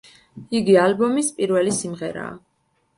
იგი ალბომის პირველი სიმღერაა.